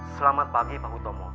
selamat pagi pak utomo